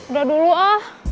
udah dulu ah